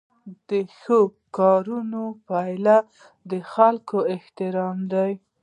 د ښو کارونو پایله د خلکو احترام دی.